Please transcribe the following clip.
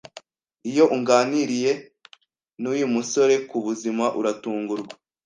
Iyo uganiriye n’uyu musore ku buzima uratungurwa